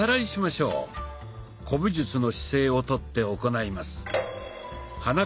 古武術の姿勢をとって行います。